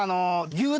牛丼？